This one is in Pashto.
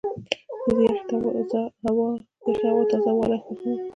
زه د یخې هوا تازه والی خوښوم.